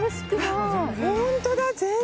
ホントだ！